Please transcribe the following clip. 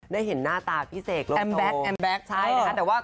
ได้เห็นหน้าตาพี่เสกลดโทแอมแบคแอมแบคใช่นะคะแต่ว่า